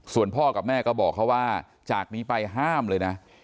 ส่วนพ่อกับแม่ก็บอกเขาว่าจากนี้ไปห้ามเลยนะ